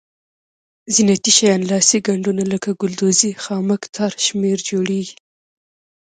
زینتي شیان لاسي ګنډونه لکه ګلدوزي خامک تار شمېر جوړیږي.